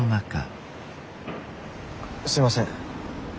すみません